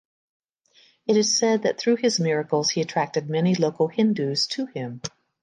It is said that through his miracles he attracted many local Hindus to him.